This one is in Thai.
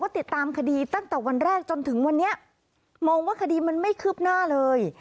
ติดตามคดีตั้งแต่วันแรกจนถึงวันนี้มองว่าคดีมันไม่คืบหน้าเลย